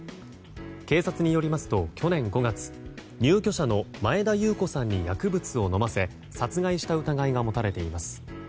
警察によりますと去年５月入居者の前田裕子さんに薬物を飲ませ殺害した疑いが持たれています。